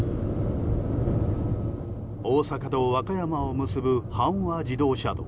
大阪と和歌山を結ぶ阪和自動車道。